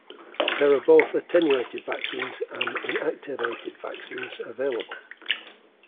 There are both attenuated vaccines and inactivated vaccines available.